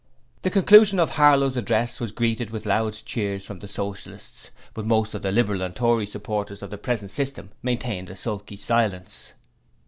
"' The conclusion of Harlow's address was greeted with loud cheers from the Socialists, but most of the Liberal and Tory supporters of the present system maintained a sulky silence.